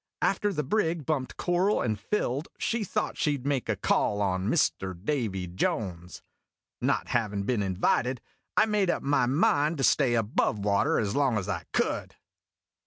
After the brig bumped coral and filled, she thought she VI make a call on Mr. Davy Jones. Not havin' been invited, I made up my mind to stay above water as long as I could.